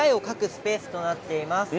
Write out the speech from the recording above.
スペースとなっています。